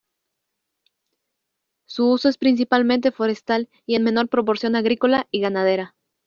Su uso es principalmente forestal y en menor proporción agrícola y ganadera.